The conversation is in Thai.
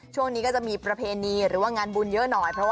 ช่วงนี้ก็จะมีประเพณีหรือว่างานบุญเยอะหน่อย